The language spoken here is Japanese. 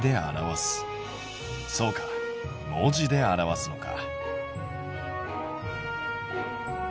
そうか文字で表すのか。